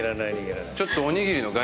ちょっと。